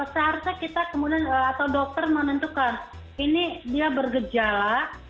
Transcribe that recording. seharusnya kita kemudian atau dokter menentukan ini dia bergejala